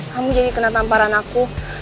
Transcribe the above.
kamu jadi kena tamparan aku